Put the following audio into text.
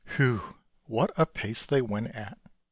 Whew ! what a pace they went at.